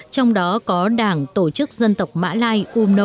trong đó có đảng tổ chức dân tộc mã lai umo